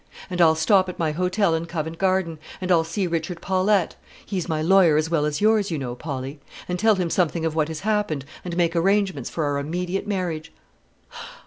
And I'll stop at my hotel in Covent Garden; and I'll see Richard Paulette, he's my lawyer as well as yours, you know, Polly, and tell him something of what has happened, and make arrangements for our immediate marriage."